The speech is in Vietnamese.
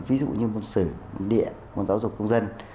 ví dụ như môn sử địa môn giáo dục công dân